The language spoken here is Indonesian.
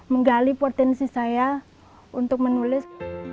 menggali potensi saya untuk menulis